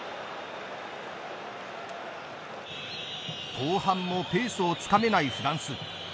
後半もペースをつかめないフランス。